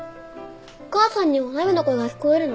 お母さんにはお鍋の声が聞こえるの？